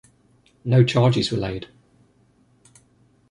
No charges were laid.